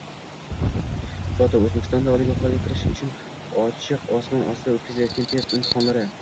Foto: O‘zbekistonda oliygohlarga kirish uchun ochiq osmon ostida o‘tkazilayotgan test imtihonlari